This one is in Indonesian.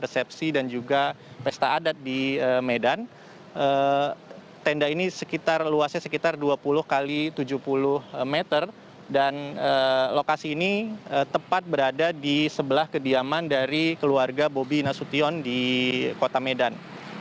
sekitar dua puluh x tujuh puluh meter dan lokasi ini tepat berada di sebelah kediaman dari keluarga bobi nasution di kota medan